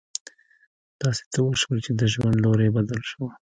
داسې څه وشول چې د ژوند لوری يې بدل شو.